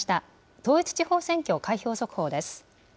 統一地方選挙開票速報です。